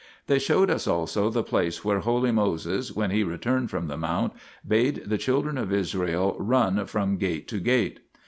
They showed us also the place where holy Moses, when he returned from the mount, bade the children of Israel run from gate to gate?